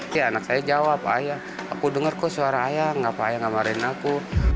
ya anak saya jawab ayah aku dengar kok suara ayah nggak apa apa ayah ngamarin aku